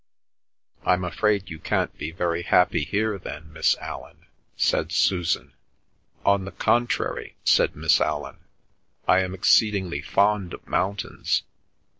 "I'm afraid you can't be very happy here then, Miss Allan," said Susan. "On the contrary," said Miss Allan, "I am exceedingly fond of mountains."